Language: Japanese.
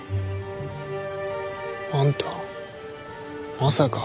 あんたまさか。